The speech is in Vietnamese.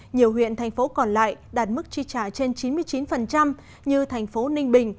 nhiều huyện thành phố còn lại đạt mức chi trả trên chín mươi chín như thành phố ninh bình